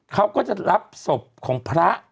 เขาก็จะรับศพของพระ